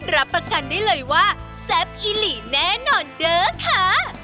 รับประกันได้เลยว่าแซ่บอีหลีแน่นอนเด้อค่ะ